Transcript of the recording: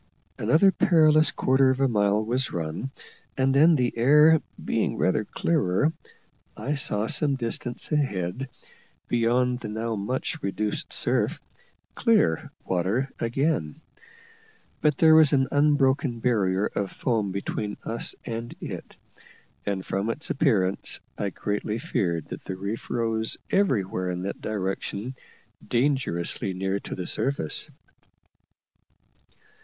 Another perilous quarter of a mile was run, and then, the air being rather clearer, I saw, some distance ahead, beyond the now much reduced surf, clear water again; but there was an unbroken barrier of foam between us and it, and from its appearance I greatly feared that the reef rose everywhere in that direction dangerously near to the surface.